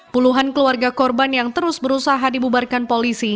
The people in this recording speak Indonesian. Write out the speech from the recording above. puluhan keluarga korban yang terus berusaha dibubarkan polisi